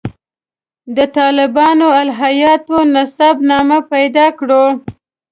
د طالباني الهیاتو نسب نامه پیدا کړو.